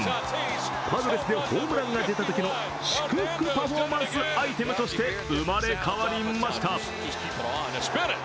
パドレスでホームランが出たときの祝福パフォーマンスアイテムとして生まれ変わりました。